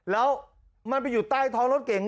แล้วมันไปอยู่ใต้ท้องรถเก่ง